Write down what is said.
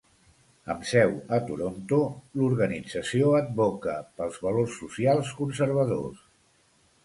Amb seu a Toronto, l'organització advoca pels valors socials conservadors.